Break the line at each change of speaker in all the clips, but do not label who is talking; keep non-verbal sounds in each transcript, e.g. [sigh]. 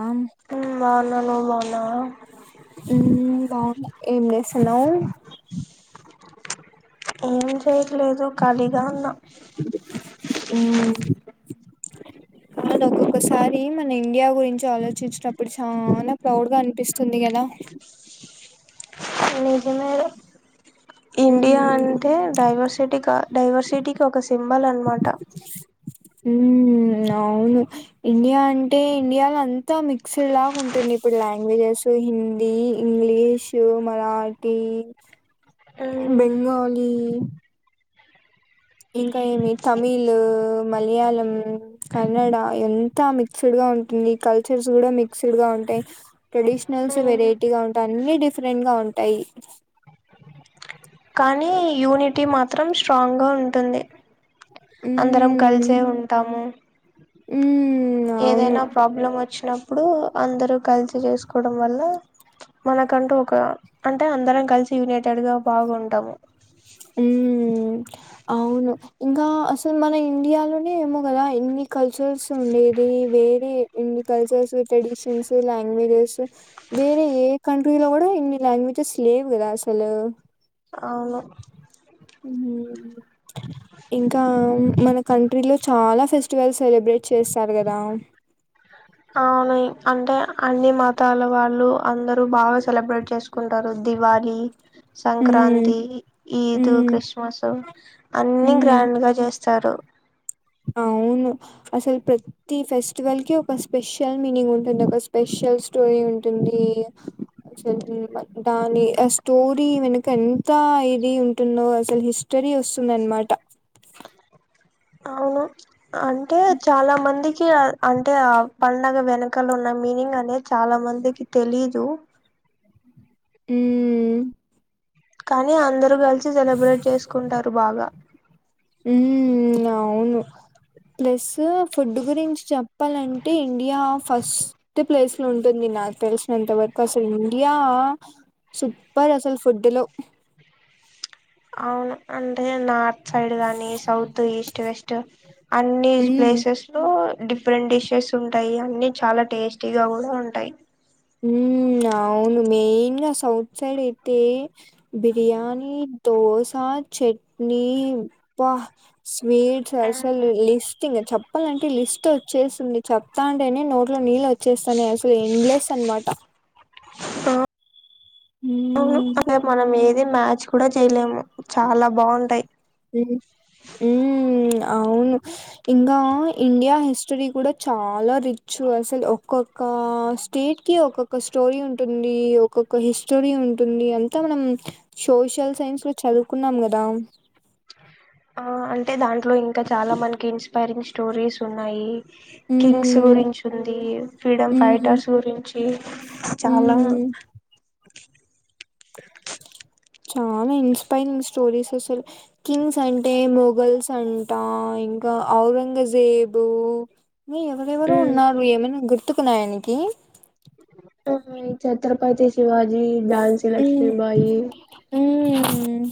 ఆ
అననుమా న
బాగు ఏం చేసాన్నావు
ఏ చేయట్లేదు ఖాళీగా ఉన్నాం
అ ఒక్కొక్కసారి మన ఇండియా గురించి ఆలోచించినప్పుడు చనాా ప్రౌడ్గా అనిపిస్తుంది కదా
నిజమేడం ఇండియా
మ్మ్
అంటే డైవర్సిటీగా డైవర్సిటీకి ఒక సింబల్ అనమాట
అవును ఇండియా అంటే ఇండియాలో అంతా మిక్స్డ్ లాగా ఉంటుంది ఇప్పుడు లాంగ్వేజెస్ హిందీ ఇంగ్లీషు మరాఠీ బెంగాలీ ఇంకా ఏమి తమిళ మలయాళం కన్నడ ఎంత మిక్స్డ్గా ఉంటుంది కల్చర్స్ కూడా మిక్స్డ్గా ఉంటాయి ట్రెడిషనల్స్
ఉమ్
వెరైటీగా ఉంటాయి అన్నీ డిఫరెంట్గా ఉంటాయి
కానీ యూనిటీ మాత్రం స్ట్రాంగ్ గా ఉంటుంది అందరం
మ్మ్
కలిసే ఉంటాము
మ్మ్ అవును
ఏదైనా ప్రాబ్లం వచ్చినాప్పు ఇప్పుడు అందరూ కలిసి చేసుకోవడం వల్ల మనకంటూ ఒక అంటే అందరం కలిసి యునైటెడ్గా బాగుంటాము
మ్మ్ అవును ఇంకా అసలు మన ఇండియాలోనే ఏమో కదా ఇన్ని కల్చర్స్ ఉండేది వేరే ఇన్ని కల్చర్స్ ట్రెడిషన్స్ లాంగ్వేజెస్ వేరే ఏ కంట్రీలో కూడా ఇన్ని లాంగ్వేజెస్ లేవు కదా అసలు
అవును
హు ఇంకా మన కంట్రీలో చాలా ఫెస్టివల్ సెలబ్రేట్ చేస్తారు కదా
అవును హు అంటే అన్ని మతాల వాళ్ళు అందరూ బాగా సెలబ్రేట్ చేసుకుంటారు దివళి
ఉమ్
సంక్రాంతి ఈద్
ఉమ్
క్రిస్మస్ అన్ని
ఉమ్
గ్రాండ్ గా చేస్ స్తరు
అవును అసలు ప్రతి ఫెస్టివల్ కి ఒక స్పెషల్ మీనింగ్ ఉంటుంది ఒక స్పెషల్ స్టోరీ ఉంటుంది అసలు దాని ఆ స్టోరీ వెనుక ఎంత ఇది ఉంటుందో అసలు హిస్టరీ వస్తుంది అన్నమాట
అవును అంటే చాలా మందికి అంటే ఆ పండగ వెనకలున్న మీనింగ్ అనేది చాలా మందికి తెలీదు
ఊ
కానీ అందరు కలి సి సెలబ్రేట్ చేసుకుంటారు బాగా
ఉమ్ అవును ప్లస్ ఫుడ్ గురించి చెప్పాలంటే ఇండియా ఫస్ట్ ప్లేస్ లో ఉంటుంది నాకు తెలిసినంత వరకు అసలు ఇండియా సూపర్ అసలు ఫుడ్ లో
అవును అన్ టే నార్త్ సైడ్ గాని సౌత్ ఈస్ట్ వెస్ట్ అన్ని
హ్మ్
ప్లేసెస్ లో డిఫరెంట్ డిషెస్ ఉంటాయి అన్ని చాలా టేస్టీగా కూడా ఉంటాయి
ఊ అవును మెయిన్ గా సౌత్ సైడ్ అయితే బిర్యానీ దోశ చట్నీ అబ్బా సు మీట్స్ అసలు లిస్టింగ్ చెప్ చెప్పాలంటే లిస్ట్ వచ్చేసింది చెప్తాంటేనే నో నోట్లో నీళ్లు వచ్చేస్తానయి అసలు ఇండ్లె న్మాట
ఆ అవును
హ్మ్
అట్లా మనం ఏది ఇది మ్యాచ్ కూడా చెయ్యలేము చాలా బాగుంటాయి
ఊ అవును ఇంకా ఇండియా హిస్టరీ కూడా చాలా రిచ్ అసలు ఒక్కొక్క స్టేట్ కి ఒక్కొక్క స్టోరీ ఉంటుంది ఒక్కొక్క హిస్టరీ ఉంటుంది అంతా మనం సోషల్ సైన్స్ లో చదువుకున్నాం కదా
ఆ అంటే దాంట్లో ఇం కా చాలా మనకి ఇన్స్పైరిగ్ స్టోరీస్ ఉన్నాయి కింగ్స్
హ్మ్
గురించి ఉంది ఫ్రీడమ్
హ్మ్
ఫైటర్స్ గురించి చాలా
హ్మ్ చాలా ఇన్స్పైరింగ్ స్టోరీస్ అసలు కింగ్స్ అంటే మొగల్స్ అంటా ఇంకా ఔరంగజేబు మీ ఎవరెవరో ఉన్నారు
ఉమ్
ఏమైనా గుర్ తుకున్నాయనికి
ఛత్రపతి శివాజ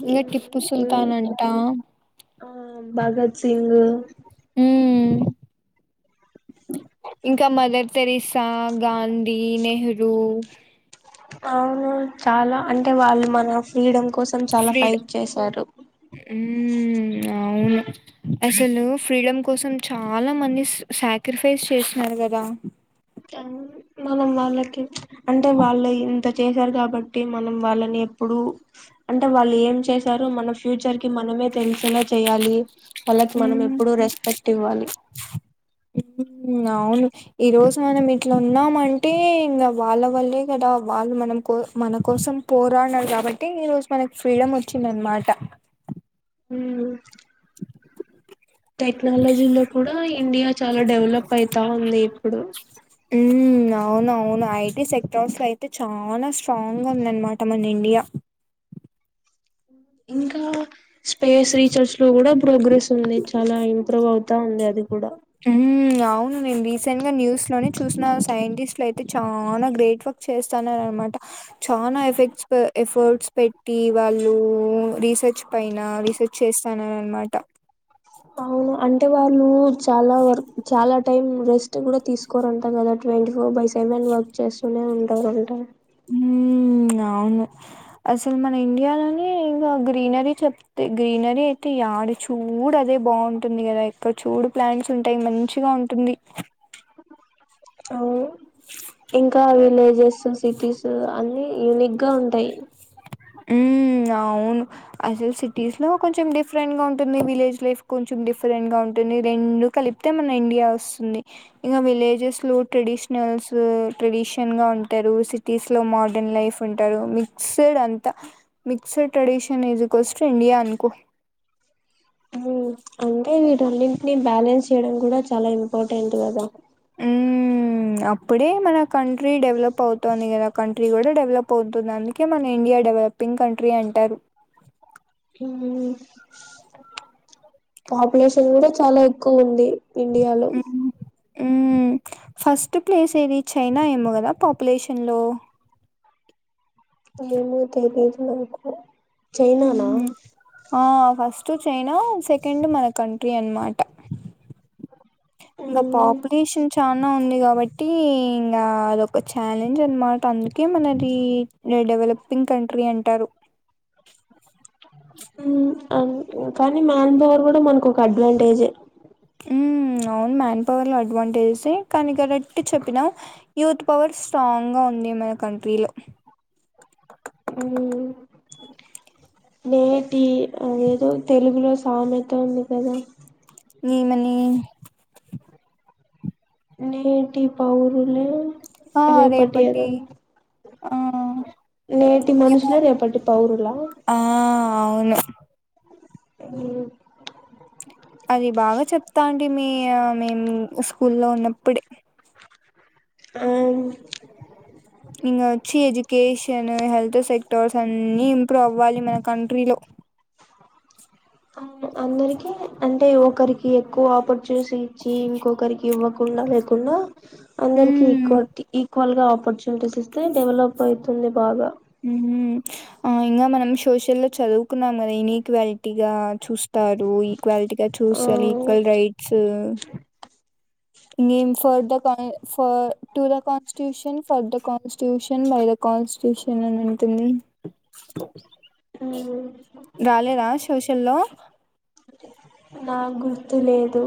ఇకా టిప్పు
ఇంకా
సుల్తాన్ అంటా
ఆ భగత్ సింగ్
ఇంకా మదర్ తెరిసా గాంధీ నెహ్రూ
అవును చాలా అంటే వాళ్ళు మన ఫ్రీడమ్ కోసం చాలా
ఫ్రీడ
ఫైట్ చేశారు
హ్మ్ అవును అసలు ఫ్రీడమ్ కోసం చాలా మంది సాక్రిఫైస్ చేస్తున్నారు కదా
మనం వాళ్ళకి అంటే వాళ్ళ అ చేశారు కాబట్టి మనం వాళ్ళని ఎప్పుడు అంటే వాళ్ళు ఏం చేశారు మన ఫ్యూచర్ మనమే తెలిసేలా చేయాలి వాళ్ళకి మనం
హ్మ్
ఎప్పుడు రెస్పెక్ట్ ఇవ్వాలి
అవును ఈరోజు మనం ఇట్లా ఉన్నామంటే ఇంకా వాళ్ళ వల్లే కదా వాళ్ళు మనం కో మన కోసం పోరాడన కాబట్టి ఈరోజు మనకి ఫ్రీడమ్ వచ్చిందినమాట
హ టెక్నాలజీలో కూడా ఇండియా చాలా డెవలప్ అయితా ఉంది ఇప్పుడు
హ్మ్ అవునవును సెక్టార్స్ లో అయితే చాలా స్ట్రాంగ్ గా ఉందనమాట మన ఇండియా
ఇంకా స్పేస్ రీసెర్చ్ లో కూడా ప్రోగ్రెస్ ఉంది చాలా ఇంప్రూవ్ అవుతా ఉంది అది కూడా
హ అవును నేను రీసెంట్ గా న్యూస్ లోనే చూసిన సైంటిస్ట్లు అయితే చాలా గ్రేట్ వర్క్ చేస్తున్నా అనమాట చాలా ఎఫెక్ట్స్ ఎఫర్ట్స్ పెట్టి వాళ్ళు రీస రీసెర్చ్ పైన రీసెర్చ్ చేస్తాన అనమాట
అవును అంటే వాళ్ళు చాలా వర్క్ చాలా టైం రెస్ట్ కూడా తీసుకోరుంట కదా twenty four by seven work చేస్తూనే ఉంటారుంటారు
హ అవును అసలు మన ఇండియాలోనే ఇం గ్రీనరీ చెప్తేా గ్రీనరీ అయితే డు చూడు అదే బాగుంటుంది కదా ఇక్కడ చూడు ప్లాంట్స్ ఉంటాయి మంచిగా ఉంటుంది
అవు ఇంకా విలేజెస్ సిటీస్ అన్ని యూని క్క ఉంట
అవును అసలు సిటీస్ లో కొంచెం డిఫరెంట్ గా ఉంటుంది విలేజ్ లైఫ్ కొంచెం డిఫరెంట్ గా ఉంటుంది రెండు కలిపితే మన ఇండియా వస్తుంది ఇంకా విలేజెస్ లో ట్రెడిషనల్స్ ట్రెడిషల్ గా ఉంటారు సిటీస్ లో మోడర్న్ లైఫ్ ఉంట మిక్సడ్ అంత మిక్సడ్ ట్రెడిషన్ ఇజస్ ఇండియా అనుకో
అంటే వీటన్నింటినీ బ్యాలెన్స్ చేయడం కూడా చాలా ఇంపార్టెంట్ కదా
ఉ అప్పుడే మన కంట్రీ డెవలప్ అవుతుంది కదా కంట్రీ కూడా డెవలప్ అవుతుంది అందుకే మన ఇండియా డెవలపింగ్ కంట్రీ అంటారు
పాపులేషన్ కూడా చాలా ఎక్కువ ఉంది ఇండియాలో
హ్మ్ ఫస్ట్ ప్లేస్ ఏది చైనా ఏమో కదా పాపులేషన్ లో
ఏమో తెలిదు నాకు చైనానా
మ్మహు ఆ ఫస్ట్ టు చైనా సెకండ్ మన కంట్రీ అనమాట ఇంకా
ఉమ్,
పాపులేషన్ చాన ఉంది కాబట్టి ఈ ఇంకా అదొక ఛాలెంజ్ అనమాట అందుకే మనది డెవలపింగ్ కంట్రీ అంటారు
మ్మహ్ అ కానీ మ్యాన్ పవర్ కూడా మనకు ఒక అడ్వాంటేజే
మ్మ్ అవును మ్యాన్ పవర్ లో అడ్వాంటేజెస్ కానీ కరెక్ట్ చెప్పినాం యూత్ పవర్ స్ట్రాంగ్ గా ఉంది మన కంట్రీలో
లేదు అదేదో తెలుగులో టామెట ఉంది కదా
ని మనీ
నేటి పౌరులు
ఆ
రేపాటి అద
రేపటి ఆ
నేటి
ఏమో
మనుషులె రేపటి పౌరులా
ఆ అవును అది బాగ చెప్తా అండి మీ అ మేమ్ స్కూల్లో ఉన్నప్పుడే
ఆ
ఇంగ ఒచ్చి ఎజుకేష్ షను హెల్త్ సెక్టార్సన్ని ఇంప్రూవ్ అవ్వాలి మా కంట్రీలో
అ అందరికి అం తె ఒకరికి ఎక్కువ ఆపట్ చేసిచ్చి ఇంకొకరికివ్వక్ కుండ లేకుండా అందరికి
ఉమ్
ఇక్కువటి ఈ ఎక్వల్ గా ఆపర్చునిటీస్ ఇస్తే డెవలప్ అయితుంది బాగా
మ్మహు ఇంకా మనం సోషల్ లో చదువుకున్నాంకదా ఇన్క్వాలిటీ గా చూ స్తారు ఈక్వాలిటీగా
ఆ
చూస్తారు ఈక్వల్ రైట్స్ ఇకేం for the for to the constitution for the constitution by the constitution అని ఉంటుంది రాలేరా సోషల్లో
నాకు గుర్తు లేదు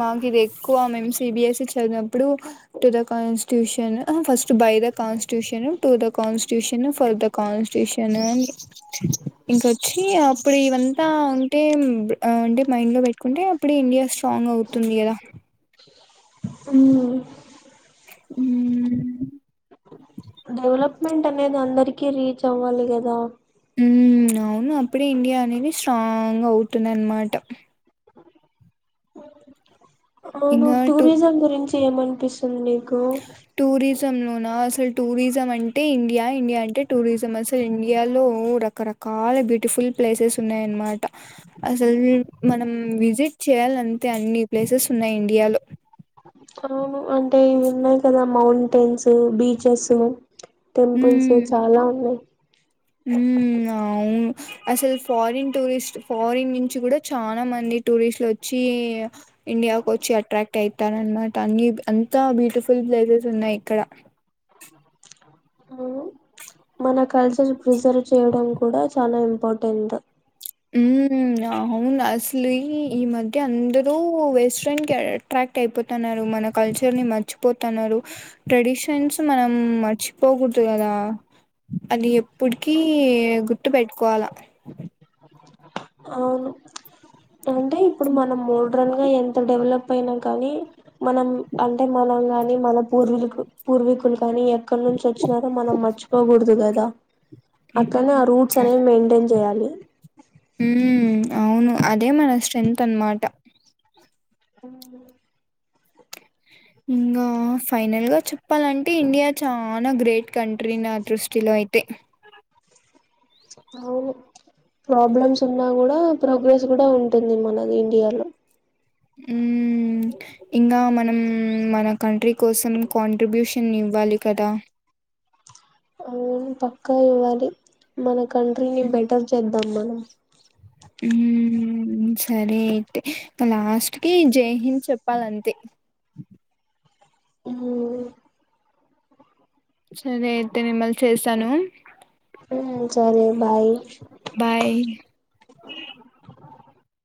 మాకు ఇది ఎక్కువ మేము సిబిఎస్సి చదినప్పుడు to the constitution first by the క constitution to the constitution, for the constitution, ఇంకొచ్చి అప్పుడు ఇవంతా ఉంటే. ఆమ్ అంటే మైండ్ లో పెట్టుకుంటే అప్పుడు న్యూ స్ట్రాంగ్ అవుతుంది కదా.
అ
హ
డెవలప్ మెంట్ అనేది అందరికీ రీచ్ అవ్వాలి కదా
ఉ అవును అప్పుడే ఇండియా అనేది స్ట్రాంగ్ అవుతుంది అనమాట
ను్వు టూరిజం గురించి ఏమనిపిస్తు
టూరిజం లో నా అసలు టూరిజం అంటే ఇండియా ఇండియా అంటే టూరిజం టూరిసం అంటే ఇండియా ఇండియా అంటే టూరిసం అసలు ఇండియాలో రకరకాల బ్యూటిఫుల్ ప్లేసెస్ ఉన్నాయ అన్నమాట అసలు మనం విజిట్ చేయాలంటే అన్ని ప్లేసెస్ ఉన్నాయి ఇండియాలో
అవును అంటే ఇవి ఉన్నాయి కదా మౌంటైన్స్ బీచెస్ టెంపుల్స్ చాలా ఉన్నాయి్
హ అవును అసలు ఫారిన్ టూరిస్ట్ ఫారిన్ నుంచి కూడా చాలా మంది టూరిస్ట్లు వచ్చి ఇండియాకు వచ్చి అట్రాక్ట్ అవుతార అనమాట అ అంతా బ్యూటిఫుల్ ప్లేసెస్ ఉన్నాయి ఇక్కడ
అ మన కల్చర్ ప్రిజర్వ్ చేయడం కూడా చాలా ఇంపార్టెంట్
హ అవును అసలు ఈ మధ్య అందరూ వెస్ట్రన్ క అట్రాక్ట్ అయిపోతున్నారు, మన కల్చర్ ని మర్చిపోతున్నారు, ట్రెడిషన్స్ మనం మర్చిపోకూడదు కదా అది ఎప్పటికీ గుర్తుపెట్టుకోవాలా
అవును అంటే ఇప్పుడు మనం మూడు సడన్గా ఎంత డెవలప్ అయినా కానీ మనం అంటే మనంగాని మ పూ పుర్వికుల్ పుర్వికులు కానీ అక్కడ నుంచి వచ్చినారో మనం మర్చిపోకూడదు కద్ [unintelligible] అట్నే ఆ రూట్స్
హ్మ్.
అనేవి మెయింటైన్ చేయాలి
మ్ అవును అదే మన స్ట్రెంత్ అన్నమాట
ఆ
ఇంకా ఫైనల్గా చెప్పాలంటే ఇండియా చాలా గ్రేట్ కంట్రీ నా దృష్టిలో అయితే.
అవును ప్రాబ్లమ్స్ ఉన్నా కూడా ప్రోగ్రెస్ కూడా ఉంటుంది మనది ఇండియాలో.
ఊ ఇంకా మనం మన కంట్రీ కోసం కాంట్రిబ్యూషన్ ఇవ్వాలి కదా.
ఊ పక్కా ఇవ్వాలి మన కంట్రీని బెటర్ చేద్దాం మనం.
ఊ సరే అయితే లాస్ట్ కి జయిహించ్ చెప్పాలంతే
ఉమ్
సరే అయితే మిమ్మల్ చేసాను.
ఊ సరే బాయ్
బాయ్. [unintelligible]